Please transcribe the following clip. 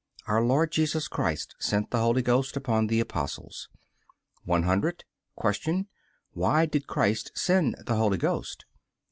Our Lord Jesus Christ sent the Holy Ghost upon the Apostles. 100. Q. Why did Christ send the Holy Ghost?